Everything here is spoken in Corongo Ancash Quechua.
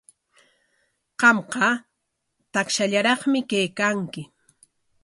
Qamqa takshallaraqmi kaykanki.